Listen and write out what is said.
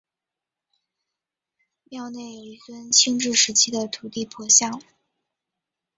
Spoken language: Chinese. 庙内有一尊清治时期的土地婆像。